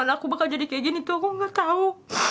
aku gak tau